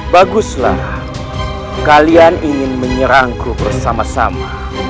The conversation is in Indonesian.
baguslah kalian ingin menyerangku bersama sama